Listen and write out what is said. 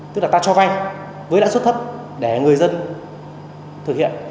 tức là ta cho vay với lãi suất thấp để người dân thực hiện